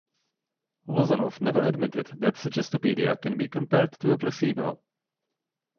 Lozanov never admitted that Suggestopedia can be compared to a placebo.